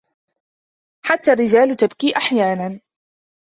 حتى الرجال تبكي أحيانا.